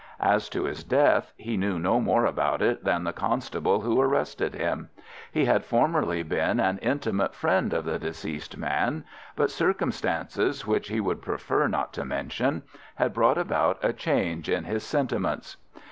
As to his death, he knew no more about it than the constable who arrested him. He had formerly been an intimate friend of the deceased man; but circumstances, which he would prefer not to mention, had brought about a change in his sentiments.